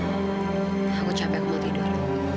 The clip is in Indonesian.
saya capek saya mau tidur